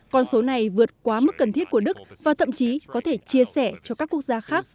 con số này vượt quá mức cần thiết của đức và thậm chí có thể chia sẻ cho các quốc gia khác